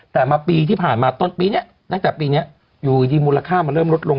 แต่มาปีที่ผ่านมาต้นปีนี้ตั้งแต่ปีนี้อยู่ดีมูลค่ามันเริ่มลดลง